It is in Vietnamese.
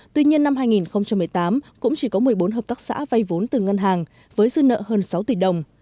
tuy nhiên năm hai nghìn một mươi tám cũng chỉ có một mươi bốn hợp tác xã vay vốn từ ngân hàng với dư nợ hơn sáu tỷ đồng